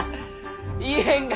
言えんが！